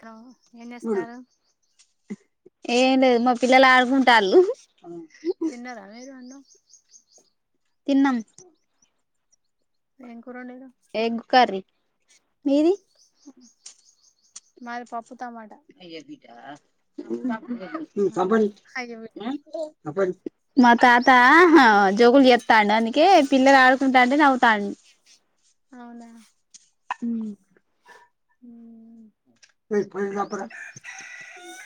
క్కా ఏం చేస్తారు ఏం లేదు మా పిల్లలాడుకుంటాళ్ళుహు తిన్నారా మీరు అన్నం తిన్నం ఏం కూర వండిరు ఏం కర్రీ మీది మది పప్పుతమాట [unintelligible] అయ్యో బిడ్డ మా తాత షార్ట్ జగులు చేస్తాడు అందుకే పిల్లలు ఆడుకుంటాంటే నవ్వుతా అవునా హ హ [unintelligible]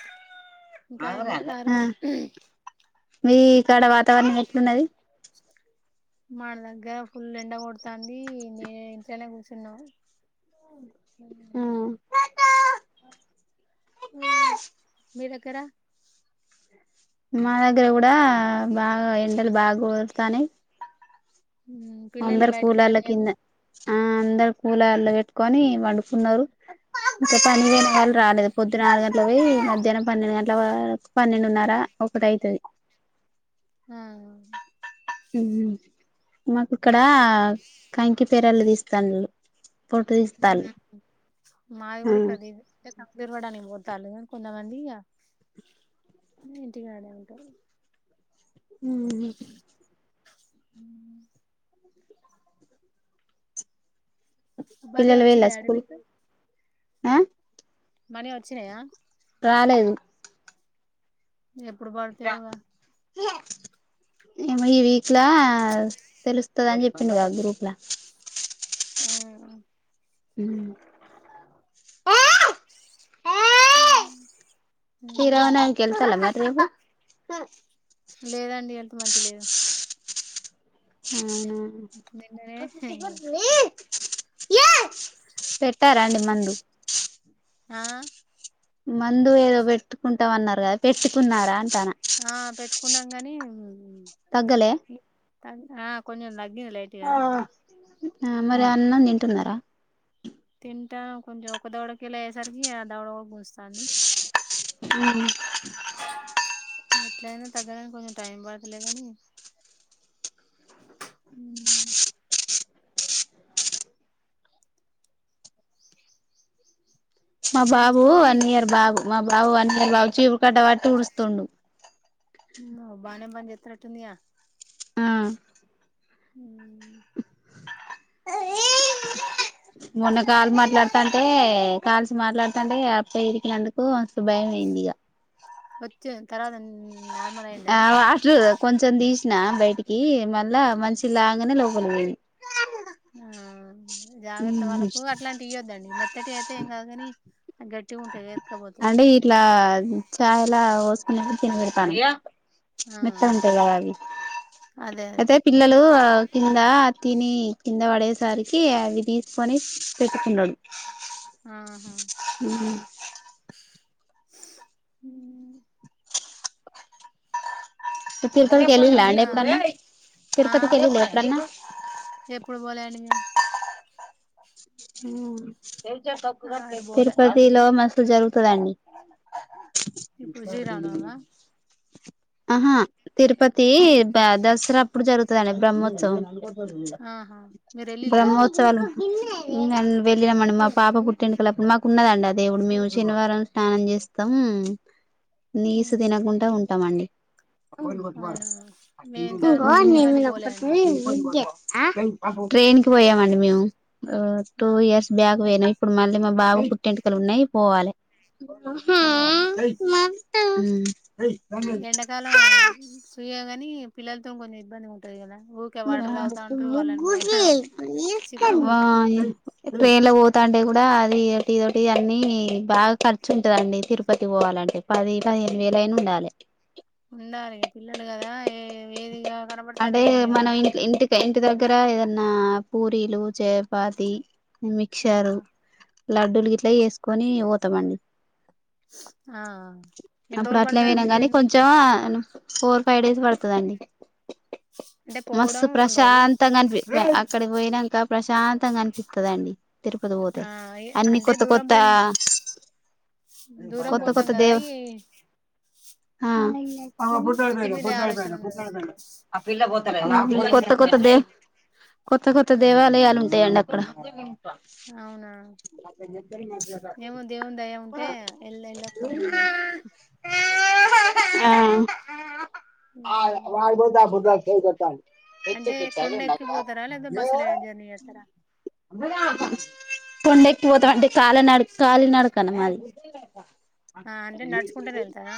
ఇంకా ఏంతర్రు ఆ మీ కాడ వాతావరణం ఎట్లున్నది మన దగ్గర ఫుల్ ఎండ కొడ్తాతంది నేను ఇంట్లోనే కూర్చున్నా ఆ మీదగ్గర మా దగ్గర కూడా ఆ బాగా ఎండలు బాగా కొడుతానై పిల్లల్ని బయటికి వెళ్ళనీయకు కింద ఆ అందరు కూలర్లు పెట్టుకొని పండుకున్నారు ఇంకా పనికి పోయిన వాళ్ళు రాలేదు పొద్దున ఆరు గంటలకు పోయి మధ్యాహ్నం పన్నెండు గంటల వరకు పన్నెండున్నర ఒకటి అయితది ఆ మాకు ఇక్కడ ఆ కంకి పెరల్లు తీస్తాన్లు మాది ఇక్కడ కంకి ఇరవడానికి పోతాళ్ళు కొంతమంది ఇగ ఇంటికాడే ఉంటారు ఉ హ బడే పిల్లలు వచ్చి వెళ్ళ డాడీ స్కూల్ మీకు ఆ మనీ వచ్చినయా రాలేదు ఎప్పుడు పడుతాయోగా ఏమో ఈ వీక్లా తెలుస్తదని చెప్పిండుగా గ్రూప్ల ఊఉ ఎ ఏ హ శ్రీరామనవమకి ఎల్తాల మరి రేపు లేదండి హెల్త్ మంచి లేదు నిన్ననే ఇగ అవునా ఇత్తారండి మందు ఆ మందు ఏదో పెట్టుకుంటాం అన్నారు కదా పెట్టుకున్నారా అని ఆ పెట్టుకున్నాం గాని తగ్గలే ఆ కొంచెం తగ్గింది గింది లైట్గా ఆ మరి అన్నం తింటున్నారా తింటా కొంచెం ఒక దోడకి వెళ్ళ అయేసరికి ఆ దౌడ ఒక గుంజుతంది ఉ ఎట్లయినా తగ్గడానికి కొంచెం టైం ప పడతలే కానీ హ మా బాబు స్టోరీ వన్ ఇయర్ బాబు మా బాబు వన్ ఇయర్ బాబు చీపిరి కట్ట పట్టి ఉడుస్తుండు ఓ బానే పని చేతనట్టుందిగా ఉందిగా ఆ ఉ మొన్న కాలు మాట్లాడుతాంటే కాలు మాట్లాడుతంటే అబ్బాయి ఇరికినందుకు మస్తు భయం అయింది ఇగా వచ్చే తర్వత ఆ [unintelligible] కొంచెందీ న బయటికి మళ్ళా మంచి తాగంగనే లోపలికి పోయింది ఆ జాగ్రత్త వాళ్ళకు అట్లాంటి ఇయ్యోద్దండి మెత్తటి అయితే ఏం కాదుగాని గట్టి అంటే ఇట్లా చాల [unintelligible] ఆ మెత్తగా ఉంటాయిగా అవి అదే అదే అయితే పిల్లలు కింద తిని కింద పడేసి [unintelligible] అవి తీసుకొని పెట్టుకున్నాడు ఆహా ఆహాయ్ అహాయ్ తిరుకతికి మాకు కూడా నిన్న [unintelligible] ఎప్పుడన్నా ఆ తిరుపతికి వెళ్లి ఎప్పుడన్నా ఎప్పుడు పోలే అండి మేము అటు పోలే తిరుపతిలో మస్ జరుగుతదండి ఇప్పుడు శ్రీరామ నవమా ఆహా తిరుపతి దసరా అప్పుడు జరుగుతుందిండి బ్రహ్మోత్సవం ఆహా మీరు వెళ్ళిలా అండి బ్రహ్మోత్సవా వెళ్ళామండి మా పాప పుట్టింకలప్పుడు మాకు [unintelligible] దేవుడు మేము శనివారం స్నానం చేస్తాం నీస్ ఉహు తినకుండా ఉంటామండి అవునా మేము ఇంత మా ఇ పుట్టినకాంచి న పోలే అండి ట్రైన్ కి పోయామండి మేము టూ ఆహా ఇయర్స్ బ్యాక్ పోయినా ఇప్పుడు మళ్ళీ మా బాబు పుట్టింటికలు ఉన్నాయి పోవాలి ఆహా ఉమ్ [unintelligible] పిల్లతో కొంచెం ఇబ్బంది ఉంటుంది కదా ఊరికే ఆ వాటర్ తాగుతా ఉంటారు వాళ్ళని మోయడం చికాకు ఉంటది ట్రైన్ లో పోతాంటే కూడ అదిటి ఇదొటి అన్నీ బాగా ఖర్చు ఉంటందండి తిరుపతి పోవాలంటే పది పదిహేను వేలయినా ఉండాలి ఉండాలి పిల్లలు కదా ఏ ఏదిగా కనపడుతుదే కొనీమంట్రూ ఇక్కడ ఏదన్నా పూరీలు చపాతి ఆ మిక్షరు లడ్డూలు గిట్ల చేసుకొని పోతామండి ఆ ఎన్ని అప్పుడు రోజులు అట్లే పడుతదండి కాగానీ జర్నీ కొంచెం ఫోర్ ఫైవ్ డేస్ పడుతదండి అంటే మస్తు పోవడం రెండు రోజులు ప్రశాంతంగా అనిపి అక్కడికి పోయినంకా ప్రశాంతంగా అనిపిస్తదండి తిరుపతి పోతే ఆ అన్ని అంటే కొత్త దూరం కొత్త పోయిన దూరం కొత్త పోతాం కొత్త దే కదా ఈ ఆ ఇంటి మీద ఆలోచన ఉండదు అసలు కొత్త కొత్త దే కొత్త కొత్త దేవాలయాలు ఉంటాయండి అక్కడ అవునా ఏముో దేవునీ దయ ఉంటే వెళ్ళ వెళ్ళొస్తాం మేము కూడా ఆ ఉమ్. ఎ అంటే చ కొండ మాకు ఎక్కిపోతారా లేదా బస్సులో జర్నీ చేస్తారా కొండ ఎక్కిపోతాం అంటే కళ నడు కాల నడకన్న మాది ఆ అంటే నడుచుకుంటేనే వెళ్తారా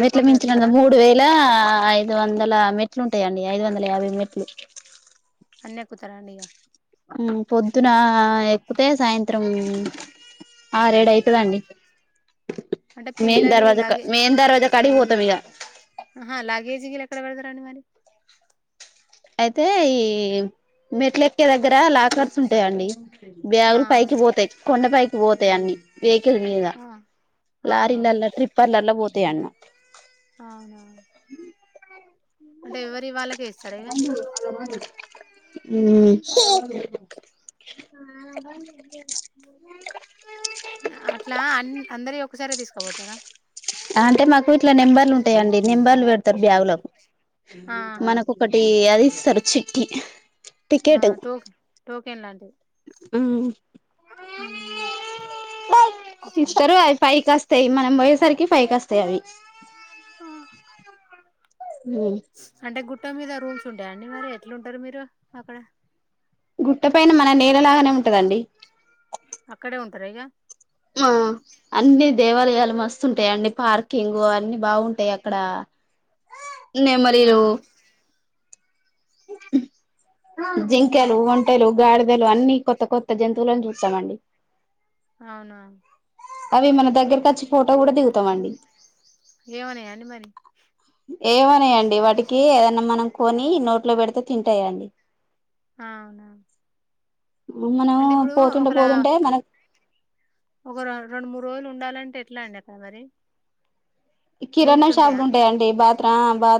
మెట్ల మించి ఎక్కుతారా మూడు వేల ఐదు వందల మెట్లు వుంటాయండి ఐదు వందల యాభై మెట్లు అన్నీ ఎక్కుతారండి ఇగ పొద్దున ఎక్కుతే సాయంత్రం ఆ రేడు అయితదండి అంటే పిల్లలు లాగే [unintelligible] ఆహా లాగేజీకిళ ఎక్కడ పెడతారుండి మరి అయితే ఈ మెట్లెక్కే దగ్గర లాకర్స్ ఉంటాయండి. ఆ బ్యాగులు పైకి పోతాయి కొండ పైకి పోతాయి అన్ని వెహికల్ మీద ఆ ఆహా లారీల్ల ట్రిప్ర్లలా పోతాయి అన్న అవునా అంటే ఎవరి వాళ్ళకే ఇస్తారా ఇక [inaudible] మ్మ్ ఆ అదా అట్లా అ అందరి ఒకసారి తీసుకపోతారా. అంటే మాకు ఇట్ల నెంబర్లుంటాయండి నెం బ్బళ్లు పెడతారు బ్యాగు్లకు ఆహా మనక ఒకటి అది ఇస్తారు చిట్టి ఆ టికెట్ టోక టోకెన్ లాంటిది. మ్మ్ హ ఇస్తారు అవి ఫైకి వస్తాయి మనం పోయేసరికి ఫైకి వస్తాయి అవి. ఆ మ్మ్ అంటే గుట్ట మీద రూమ్స్ ఉంటాయి అండి మరి ఎట్లుంటారు మీరు అక్కడ గుట్ట పైన మన నేల లాగానే ఉంటదండి. అక్కడే ఉంటారు ఇగా ఆ అన్ని దేవాలయాలు మస్తుంటాయిండి పార్కింగ్ అన్ని బాగుంటాయి అక్కడ ఆ నెమలీలు జింకలు, ఒంటెలు, గాడి దలు అన్ని కొత్త కొత్త జంతువులను చూస్తామండి. అవునా అవి మన దగ్గరకి వచ్చి ఫోటో కూడా దిగుతామ అండి ఏమన్నాయా అండి మరి ఏమనాయండి వాటికి ఏదైనా మనం కొని నోట్లో పెడితే తింటాయండి. ఆ మనం అంటే ఇప్పుడు పోతుంటే ఒకలా పోతుంటే మనకు ఒక రెండు మూడు రోజులు ఉండాలంటే ఎట్లా అండి అక్కడ మరి కిరాణా రూమ్స్ ఉంటాయా షాపులు ఉంటాయండి బాత్ర బా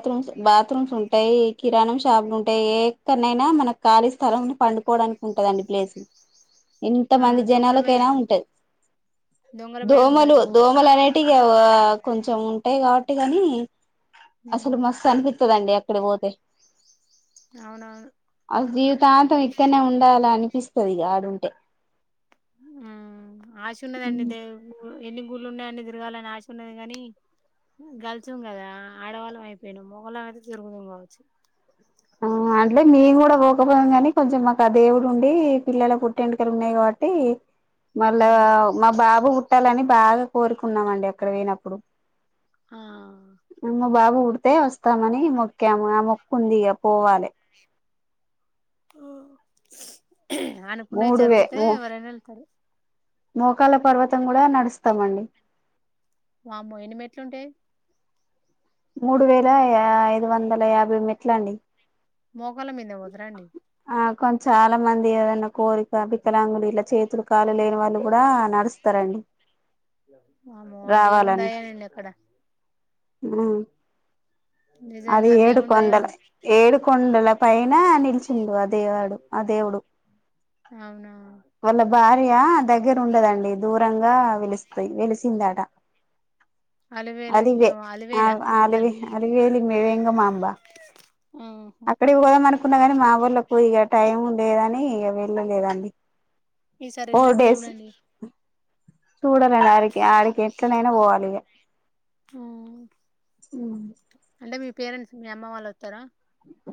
బాత్రూమ్స్ ఉంటాయి కిరాణం షాపులు ఉంటాయి ఎక్కడనైనా మన ఖాళ స్థలం పండుకో మనకుంటదండి ప్లేస్ ఎంత ఆ మంది దొంగల జనాలకైనా భయం ఉంటది దొంగల భయం ఉండదు దోమలు కావచ్చు దోమలు అనే అట్టిగా కొంచెం ఉంటాయి కాబట్టి గాని ఉమ్, అసలు మస్తు అనిపిస్తుందండి. ఇక్కడ పోతే అవునవును అస జీవితాంతం ఇక్కడనే ఉండాల అనిపిస్తుంది ఆడుంటే ఆ ఆశ ఉన్నదండి దే ఎన్ని గుళ్ళు ఉన్నాయని తిరగాలని ఆశ ఉన్నది కానీ గర్ల్సము కదా ఆడవాళ్ళం అయిపోయినాం మొగలం అయితే తిరుగుదుం కావచ్చు ఆ అంటే మేము కూడా పోకపోయిందు కానీ కొంచెం మాకు ఆ దేవుడు ఉండి పిల్లల పుట్టేంకలు ఉన్నాయి కాబ ట్టి మళ్ళా అవును మా బాబు పుట్టాలని బాగా కోరుకున్నామ అండి అక్కడ పోయినప్పుడు ఆ మా బాబు పుడితే వస్తామని మొక్కాము ఆ మొక్కుంది ఇక పోవాలే. అనుకున్నాయి జరుగుతే ఎవరైనా వెళ్తారు. మోకాల పర్వతం కూడా నడుస్తామండి. వామ్మో ఎన్ని మెట్లుంటై? మూడు వేల యా ఐదు వందల యాభై మెట్లండి. మోకాళ్ళ మీదనే పోతర అండి ఆ కానీ చాలా మంది ఏదన్న కోరి గా వికలాంగులు ఇట్లా చేతులు కాళ్ళు లేని వాళ్ళు గూడా నడుస్తారండి. వామ్మో ఆ దేవుని దయేనండి అక్కడ హూమ్ అది నిజంగా దేవుని దయ ఏడుకొండల ఉం ఏడుకొండల పైన నిలిచిండు ఆ దేవాడు ఆ దేవుడు అవునా వాళ్ళ భార్య దగ్గర ఉండదండి దూరంగా వెలుస్తాయి వెలిసిందట. అలివేలం అలివే ఏమో ఆ అలివేల అల్ అలివే అలివేలి మ మే వెంగమాంబ ఆహా అక్కడకి పోదాం అనుకున్నా గాని మా వోళ్ళకు ఇగ టైం లేదని ఇగ వెళ్ళలేదండి. ఈ సారి వెళ్ళినప్పుడు చూడండి చూడలి ఇగ ఆడికి ఆడికి ఎట్లనైనా పోవాలి ఇగా ఆ హుమ్ అంటే మీ పేరెంట్స్ మీ అమ్మ వాళ్ళు వత్తరా ఆ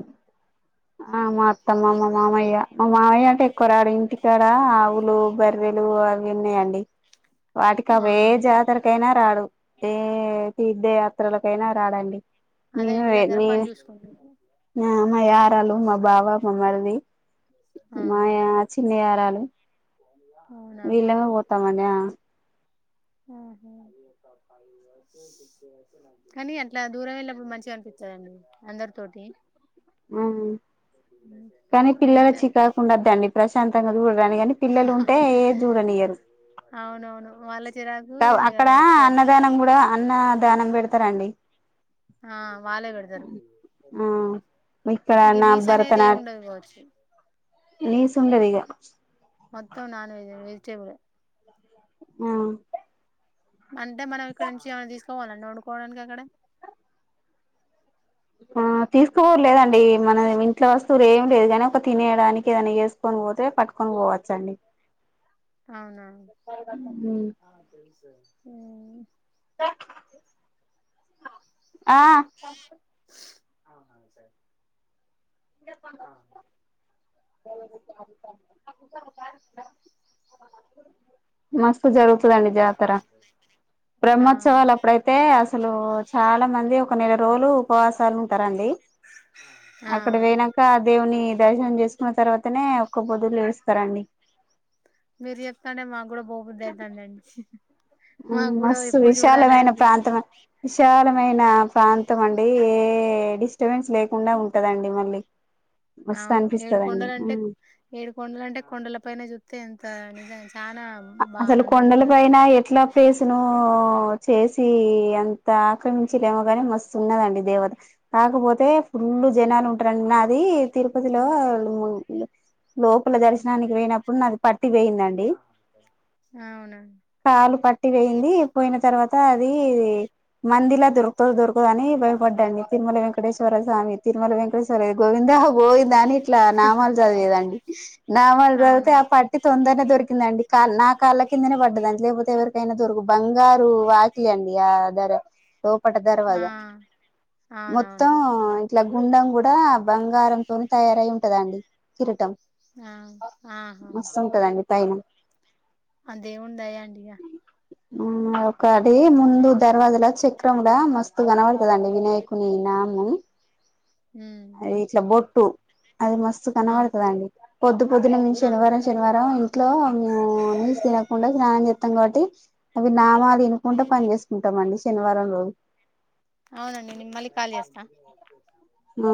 ఆ మా అత్తమ్మ మా మామయ్య మా మామయ్య న్ టి కొరాడ ఇంటికాడ ఆవులు బర్రెలు అవి ఉన్నాయండి. వాటికి ఆ అవి ఏ జాతరకైనా రాడు ఏ తీర్థయాత్రలకైనా రాడండి అదే ఇంటి దగ్గర పని [unintelligible] చూసుకుంటారు ఆ మా యా వలు మా బావ మా మరిది ఆ మాయా చిన్నయారాలు అవునా వీళ్ళమే పోతామండి ఆ కానీ అట్లా దూరం వెళ్ళినప్పుడు మంచిగా అనిపిత్ తదండి అందరి తోటి అవ్ కానీ పిల్లలు గదే చికాకు ఉండద్దండి ప్రశాంతంగా చూడ [unintelligible] గాని పిల్లలు ఉంటే ఏ చూడ డనియ్యరు అవునవును వాళ్ళ చిరాకు ఇగ అక్కడ ఎక్కువై తరండి ఆ వాళ్ళే పెడతరు. ఆ ఇక్కడ ఇగ నీసనేది ఏముండదు కావచ్చు. నీసుండదిగా మొత్తం నాన్ వెజే వెజిటబులే ఆ అంటే మనం ఇక్కడ నుంచి ఏమైనా తీస్కపోవాల అండి ఒండుకోడానికి అక్కడ ఆ తీస్కపోరు లేదండి మనం ఇంట్లో వస్తువులు ఏం లేదు గాని ఒక తినేయడానికి ఏదన్నా చేస్కొని పో పోతే పట్టుకొని పోవచ్చండి. అవునా ఊమ్ ఆ ఆా సార్ ఆ మస్తు జరుగుత్ త దండి జాతర ఆ బ్రహ్మోత్సవాలు అప్పుడైతే అసలు చాలా మంది ఒక్ క నెల రోలు ఉపవాసాలు ఉంటరండి. ఆ అక్కడికి పోయినంక దేవుని దర్శనం చేసుకున్న తర్వాతనే ఒక్క పొద్దులు చేస్తరండి. మీరు చెప్తాంటే మాగ్గూడా పోబుద్ధి అయితాందండి. మాకు ఊమ్ కూడా మస్తు ఎప్పుడు చూడాలి విశాలమైన అనిపిస్తాంది ప్రాంతం అ విశాలమై మైన ప్రాంతం అండి ఏ డిస్టబెన్స్ లేకుండా ఉంటదండి మళ్ళీ మస్తు అవును ఏడు అనిపిస్తదండి కొండల అంటే ఏడు కొండల అంటే కొండల పైన జుత్తే ఎంత నిజా ఇ అసలు కొండల పైన ఎట్లా పేసును చేసి అంత అక్కడి నుంచి లేమగానే మస్తు ఉన్నదండి దేవత కాకపోతే ఫుల్ జనాలు ఉంటారండి డి తిరుపతిలో లోపల దర్శనానికి పోయినప్పుడు నాది పట్టి పోయిందండి అవునా కాలు పట్టి పోయింది పోయిన ఇన తర్వాత అది మందిలా దొరుకుతు దొరుకదు అని భయపడ్డాడి తిరుమల వెంక వెంకేశ్వర స్వామి తిరుమల వెంకటేశ్వర గోవిందా గోవిందని ఇట్లా నామాలు చదివేదండి నామాలు చదివితే అవునా ఆ పట్టి తొందరనే దొరికిందండి కా నా కాళ్ళ కిందనే పడ్డదండి లేకపోతే ఎవరికి నా దొరకు బంగారు వాక్లే అండి అదర సోపట దర్వాజ ఆ మొత్తం అవునవును ఇట్లా గుండం కూడా బంగారంతోనే తయారై ఉంటదండి కిరటం ఆ హా ఉంటదండి పైన అదేవుని దయా అండి ఇగ ఆ ఒకది ముందు దర్వాజలో చెక్ విక్రండా మస్తు కనపడుతుదండి వినాయకుని నామ ఉమ్ అది మస్తు అవును కనబడుతుందిండి పొద్దు పొద్దున ఆ శనివారం శనివారం ఇంట్లో మేము తినకుండా స్నానం చేస్తాం కాబట్టి అవి నామాలు తినకుంటడా పని చేసుకుంటాం అండి శనివారం రోజు అవునండి నేనుమల్లి కాల్ చేస్తా ఆ